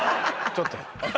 ちょっと。